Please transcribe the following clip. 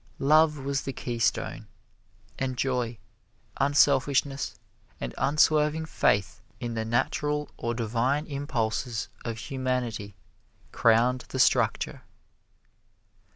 Love was the keystone, and joy, unselfishness and unswerving faith in the Natural or Divine impulses of humanity crowned the structure.